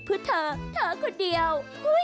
เพื่อเธอเธอคนเดียว